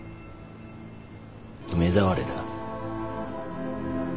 目障りだ